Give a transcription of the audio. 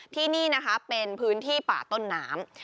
ที่นี่นะคะเป็นพื้นที่ป่าต้นน้ำ